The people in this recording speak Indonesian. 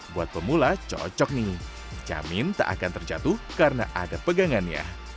buat pemula cocok nih jamin tak akan terjatuh karena ada pegangannya